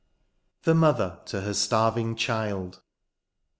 THE MOTHER TO HER STARVING CHILD.